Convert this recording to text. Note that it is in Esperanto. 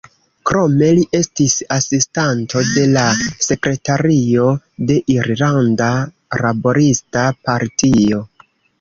Krome li estis asistanto de la sekretario de Irlanda Laborista Partio.